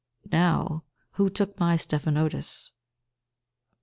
Now who took my stephanotis?